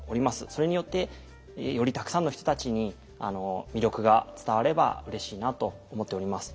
それによってよりたくさんの人たちに魅力が伝わればうれしいなと思っております。